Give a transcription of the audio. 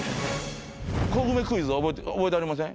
コウメクイズ覚えてはりません？